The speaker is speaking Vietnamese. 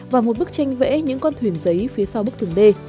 và một bức tranh vẽ những con thuyền giấy phía sau bức tường d